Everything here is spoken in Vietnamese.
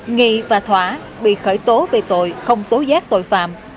nghi và thỏa bị khởi tố về tội không tố giác tội phạm